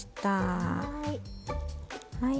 はい。